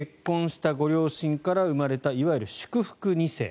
合同結婚式で結婚したご両親から生まれたいわゆる祝福２世。